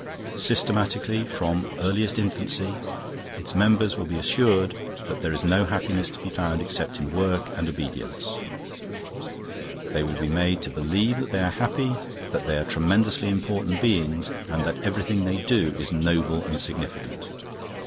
Systematically, from earliest infancy, its members will be assured that there is no happiness to be found except in work and obedience; they will be made to believe that they are happy, that they are tremendously important beings, and that everything they do is noble and significant.